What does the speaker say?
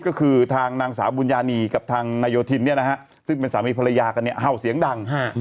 ก็คือทางนางสาวบุญญานีกับทางนายโยธินซึ่งเป็นสามีภรรยากันเนี่ยเห่าเสียงดัง